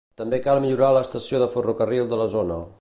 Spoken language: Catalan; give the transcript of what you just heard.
També cal millorar l'estació de ferrocarril de la zona.